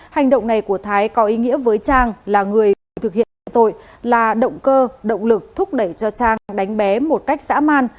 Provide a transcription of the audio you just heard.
hành động này của thái có ý nghĩa với trang là người cùng thực hiện nhận tội là động cơ động lực thúc đẩy cho trang đánh bé một cách dã man